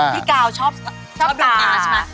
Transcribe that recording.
พี่กาวชอบดูตา